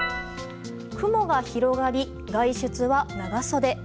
雲が広がり、外出は長袖。